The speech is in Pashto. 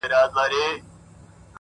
• شپې ته راغله انګولا د بلاګانو,